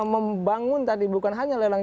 membangun tadi bukan hanya lelang